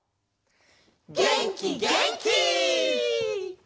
げんきげんき！